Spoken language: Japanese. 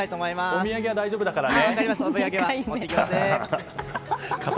お土産は大丈夫だからね！